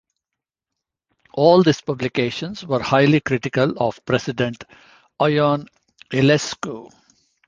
All these publications were highly critical of president Ion Iliescu.